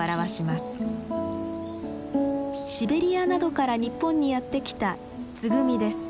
シベリアなどから日本にやって来たツグミです。